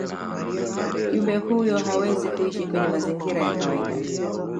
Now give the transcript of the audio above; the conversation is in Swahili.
kiumbe huyo hawezi kuishi kwenye mazingira ya kawaida